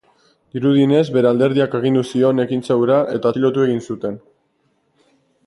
Dirudienez, bere alderdiak agindu zion ekintza hura eta atxilotu egin zuten.